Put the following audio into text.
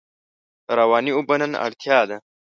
روانې اوبه نن اړتیا ده.